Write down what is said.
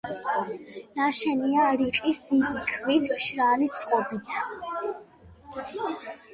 ნაშენია რიყის დიდი ქვით, მშრალი წყობით.